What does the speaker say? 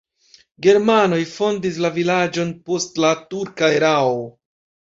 Germanoj fondis la vilaĝon post la turka erao.